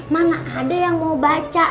mana ada yang mau baca